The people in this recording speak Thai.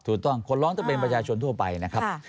ถูกต้องคนร้องต้องเป็นประชาชนทั่วไปนะครับ